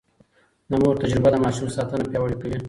د مور تجربه د ماشوم ساتنه پياوړې کوي.